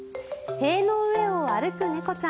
塀の上を歩く猫ちゃん。